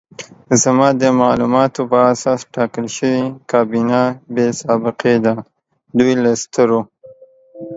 زما د معلوماتو په اساس ټاکل شوې کابینه بې سابقې ده، دوی له سترو